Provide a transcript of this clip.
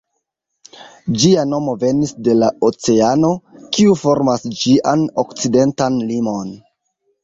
Ĝia nomo venis de la oceano, kiu formas ĝian okcidentan limon.